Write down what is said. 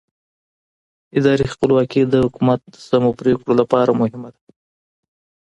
اداري خپلواکي د حکومت د سمو پرېکړو لپاره مهمه ده